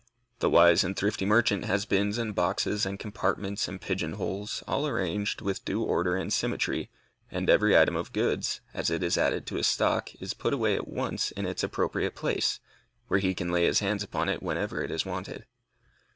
The wise and thrifty merchant has bins and boxes and compartments and pigeon holes, all arranged with due order and symmetry, and every item of goods, as it is added to his stock, is put away at once in its appropriate place, where he can lay his hands upon it whenever it is wanted.